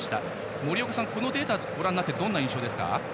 森岡さん、このデータをご覧になってどんな印象ですか？